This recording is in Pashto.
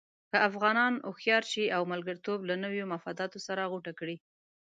که افغانان هوښیار شي او ملګرتوب له نویو مفاداتو سره غوټه کړي.